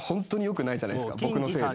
僕のせいで。